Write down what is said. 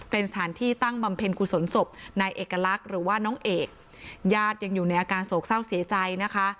เป็นสถานที่ตั้งบำเพ็ญกุศลศพนายเอกลักษณ์หรือว่าน้องเอกญาติยังอยู่ในอาการโศกเศร้าเสียใจนะคะ